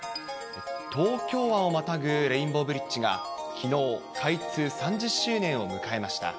東京湾をまたぐレインボーブリッジがきのう、開通３０周年を迎えました。